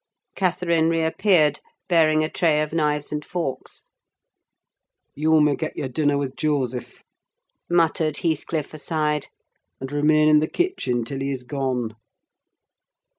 Catherine reappeared, bearing a tray of knives and forks. "You may get your dinner with Joseph," muttered Heathcliff, aside, "and remain in the kitchen till he is gone."